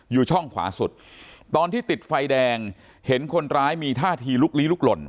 อยู่ช่องขวาสุดตอนที่ติดไฟแดงเห็นคนร้ายมีท่าทีลุกลี้ลุกหล่น